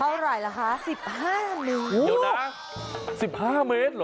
เท่าไหร่ละคะศิษฐ์๑๕เมตรเดี๋ยวนะศิษฐ์๑๕เมตรหรอ